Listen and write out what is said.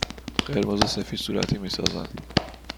قرمز و سفید صورتی می سازند.